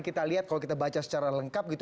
kita lihat kalau kita baca secara lengkap gitu